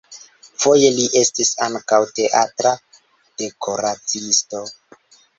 Foje li estis ankaŭ teatra dekoraciisto.